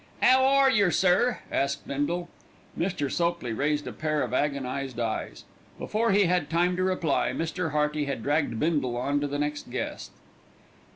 "'Ow are yer, sir?" asked Bindle. Mr. Sopley raised a pair of agonised eyes. Before he had time to reply Mr. Hearty had dragged Bindle on to the next guest.